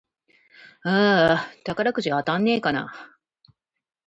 あーあ、宝くじ当たんねぇかな